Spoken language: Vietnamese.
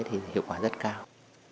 thì hiệu quả rất cao